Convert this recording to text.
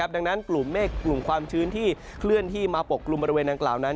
ดังนั้นกลุ่มเมฆกลุ่มความชื้นที่เคลื่อนที่มาปกกลุ่มบริเวณดังกล่าวนั้น